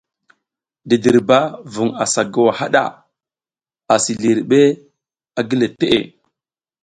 Didirba vung asa gowa haɗa, asi lihiriɗ a gile teʼe.